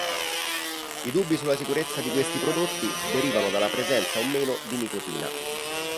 I dubbi sulla sicurezza di questi prodotti derivano dalla presenza o meno di nicotina.